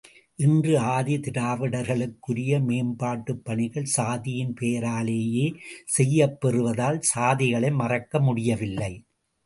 இன்று ஆதி திராவிடர்களுக்குரிய மேம்பாட்டுப் பணிகள் சாதியின் பெயராலேயே செய்யப் பெறுவதால் சாதிகளை மறக்க முடியவில்லை.